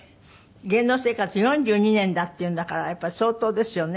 芸能生活４２年だっていうんだからやっぱり相当ですよね。